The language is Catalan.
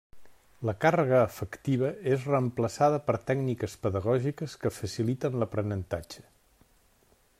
La càrrega afectiva és reemplaçada per tècniques pedagògiques que faciliten l'aprenentatge.